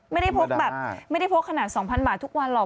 ไม่ได้พกแบบไม่ได้พกขนาด๒๐๐บาททุกวันหรอก